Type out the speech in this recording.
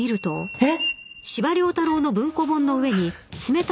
えっ？